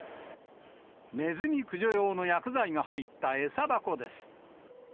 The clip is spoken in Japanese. ネズミ駆除用の薬剤が入った餌箱です。